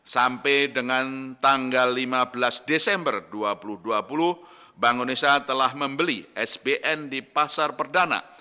sampai dengan tanggal lima belas desember dua ribu dua puluh bank indonesia telah membeli sbn di pasar perdana